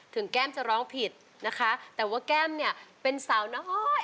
แก้มจะร้องผิดนะคะแต่ว่าแก้มเนี่ยเป็นสาวน้อย